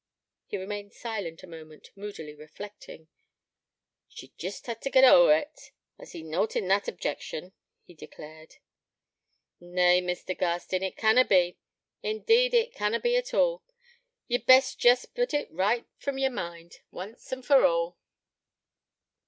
He remained silent a moment, moodily reflecting. 'She'd jest ha't' git ower it. I see nought in that objection,' he declared. 'Nay, Mr. Garstin, it canna be. Indeed it canna be at all. Ye'd best jest put it right from yer mind, once and for all.'